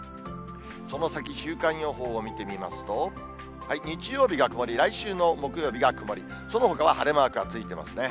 その先、週間予報を見てみますと、日曜日が曇り、来週の木曜日が曇り、そのほかは晴れマークがついていますね。